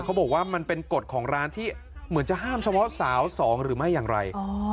เขาบอกว่ามันเป็นกฎของร้านที่เหมือนจะห้ามเฉพาะสาวสองหรือไม่อย่างไร